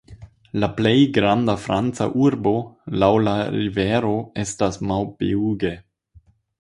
La plej granda franca urbo laŭ la rivero estas Maubeuge.